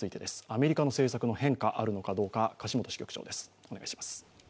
アメリカの政策の変化あるのかどうか、樫元支局長です。